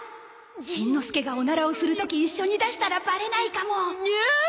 しんのすけがオナラをする時一緒に出したらばれないかもうおっ！